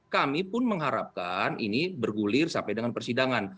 kami pun mengharapkan ini bergulir sampai dengan persidangan